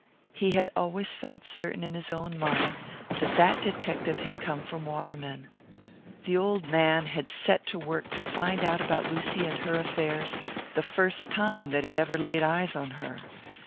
He had always felt certain in his own mind that that detective had come from Waterman. The old man had set to work to find out about Lucy and her affairs, the first time that he had ever laid eyes on her.